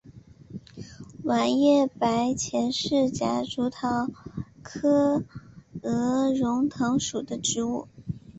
卵叶白前是夹竹桃科鹅绒藤属的植物。